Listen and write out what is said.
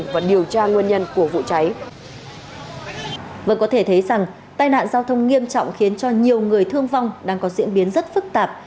vâng có thể thấy rằng tai nạn giao thông nghiêm trọng khiến cho nhiều người thương vong đang có diễn biến rất phức tạp